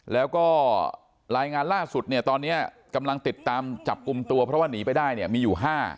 แล้วก็รายงานล่าสุดเนี่ยตอนนี้กำลังติดตามจับกลุ่มตัวเพราะว่าหนีไปได้เนี่ยมีอยู่๕